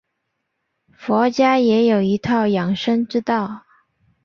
佛家也有一套养生之道。